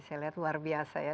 saya lihat luar biasa ya